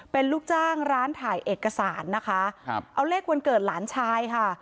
เป็นลูกจ้างร้านถ่ายเอกสารนะคะครับเอาเลขวันเกิดหลานชายค่ะ